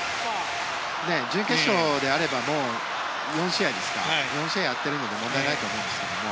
準決勝であればもう４試合やっているので問題ないと思うんですけども。